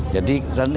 jadi di indonesia